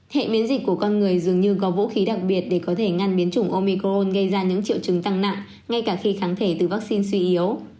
hệ miễn dịch của con người dường như có vũ khí đặc biệt để có thể ngăn biến chủng omicron gây ra những triệu chứng tăng nặng ngay cả khi kháng thể từ vaccine suy yếu